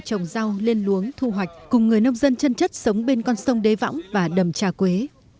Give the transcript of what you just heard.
trồng rau lên luống thu hoạch cùng người nông dân chân chất sống bên con sông đế võng và đầm trà quế